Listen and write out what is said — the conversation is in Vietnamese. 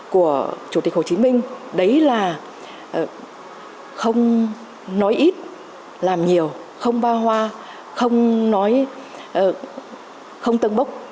của chủ tịch hồ chí minh đấy là không nói ít làm nhiều không bao hoa không tân bốc